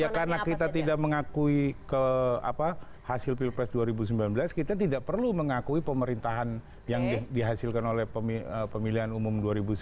ya karena kita tidak mengakui hasil pilpres dua ribu sembilan belas kita tidak perlu mengakui pemerintahan yang dihasilkan oleh pemilihan umum dua ribu sembilan belas